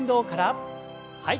はい。